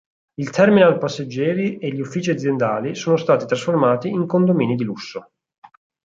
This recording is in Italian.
Il terminal passeggeri e gli uffici aziendali sono stati trasformati in condomini di lusso.